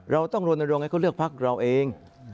เราต้องรณรงค์ให้เขาเลือกพักเราเอง